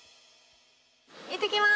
行ってきます！